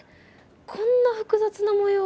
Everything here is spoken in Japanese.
こんな複雑な模様？